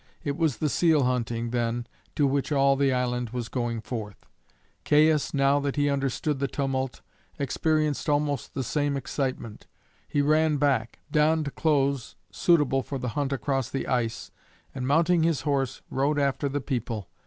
It was the seal hunting, then, to which all the island was going forth. Caius, now that he understood the tumult, experienced almost the same excitement. He ran back, donned clothes suitable for the hunt across the ice, and, mounting his horse, rode after the people.